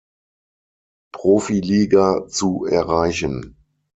Profiliga zu erreichen.